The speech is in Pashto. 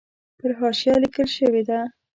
پر حاشیه لیکل شوې ده.